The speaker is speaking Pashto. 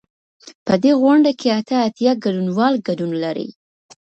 په دې غونډه کې اته اتیا ګډونوال ګډون لري.